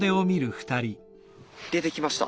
出てきました。